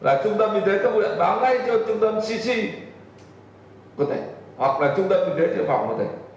là trung tâm y tế cấp nguyện báo ngay cho trung tâm cc có thể hoặc là trung tâm y tế chữa phòng có thể